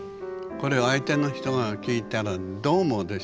これは相手の人が聞いたらどう思うでしょう？